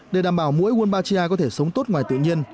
để đảm bảo mũi walbatia có thể sống tốt ngoài tự nhiên